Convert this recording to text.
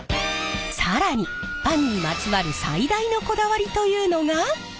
更にパンにまつわる最大のこだわりというのが！